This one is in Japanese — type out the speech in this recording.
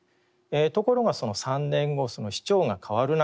ところがその３年後その市長が変わる中でですね